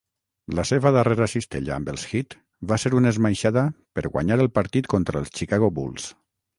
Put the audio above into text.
La seva darrera cistella amb els Heat va ser una esmaixada per guanyar el partit contra els Chicago Bulls.